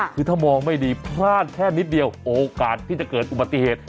คือถ้ามองไม่ดีพลาดแค่นิดเดียวโอกาสที่จะเกิดอุบัติเหตุ